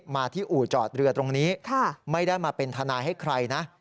มาที่อู่จอดเรือตรงนี้ไม่ได้มาเป็นทนายให้ใครนะ